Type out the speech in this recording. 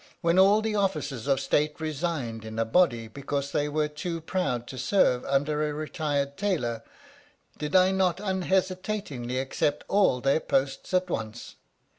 When all the officers of State resigned in a body because they were too proud to serve under a retired tailor, did I not un hesitatingly accept all their posts at once?